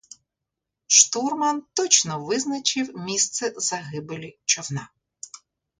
Штурман точно визначив місце загибелі човна.